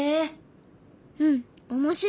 うん面白い！